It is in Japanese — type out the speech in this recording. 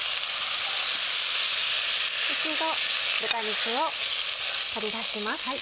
一度豚肉を取り出します。